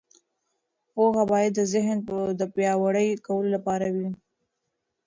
پوهه باید د ذهن د پیاوړي کولو لپاره وي.